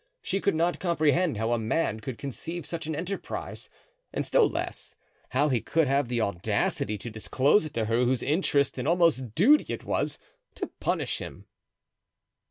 She could not comprehend how a man could conceive such an enterprise and still less how he could have the audacity to disclose it to her whose interest and almost duty it was to punish him.